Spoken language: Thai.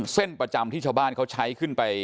ประจำที่ชาวบ้านเขาใช้ขึ้นไป